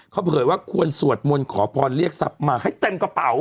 เขาเผยว่าควรสวดมนต์ขอพรเรียกทรัพย์มาให้เต็มกระเป๋า